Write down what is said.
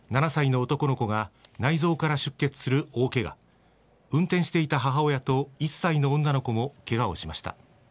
７歳の男の子が内臓から出血する大けが、運転していた母親と１歳の女の子もけがをしました。